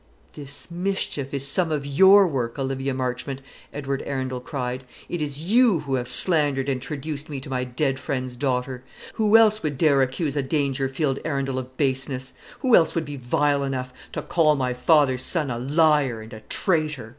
"This mischief is some of your work, Olivia Marchmont!" Edward Arundel cried. "It is you who have slandered and traduced me to my dead friend's daughter! Who else would dare accuse a Dangerfield Arundel of baseness? who else would be vile enough to call my father's son a liar and a traitor?